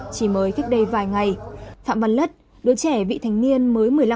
chỉ mới cách đây vài ngày phạm văn lất đứa trẻ vị thanh niên mới một mươi năm tuổi